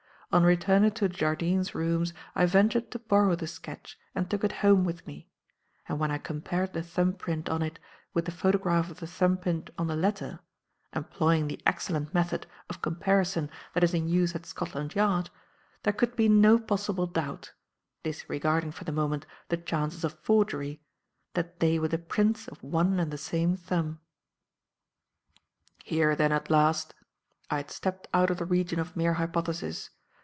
On returning to Jardine's rooms I ventured to borrow the sketch and took it home with me; and when I compared the thumb print on it with the photograph of the thumb print on the letter employing the excellent method of comparison that is in use at Scotland Yard there could be no possible doubt (disregarding for the moment, the chances of forgery) that they were the prints of one and the same thumb. "Here, then, at last I had stepped out of the region of mere hypothesis.